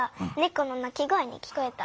この鳴き声に聞こえた。